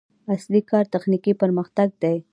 اصلي کار تخنیکي پرمختګ دی.